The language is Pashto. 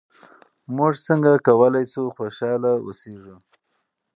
موږ څنګه کولای شو خوشحاله اوسېږو؟